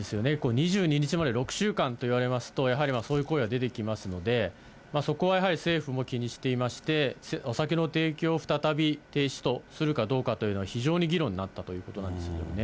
２２日まで６週間といわれますと、やはりそういう声は出てきますので、そこはやはり政府も気にしていまして、お酒の提供を再び停止とするかどうかというのは、非常に議論になったということなんですよね。